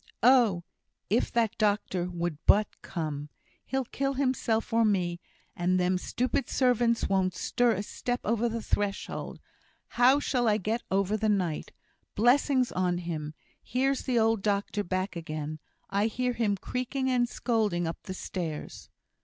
"Oh! if that doctor would but come! He'll kill himself or me and them stupid servants won't stir a step over the threshold; how shall I get over the night? Blessings on him here's the old doctor back again! I hear him creaking and scolding up the stairs!"